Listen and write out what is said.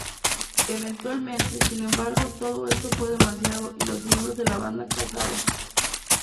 Eventualmente, sin embargo, todo esto fue demasiado, y los miembros de la banda cansados.